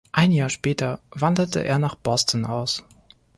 Ein Jahr später wanderte er nach Boston aus.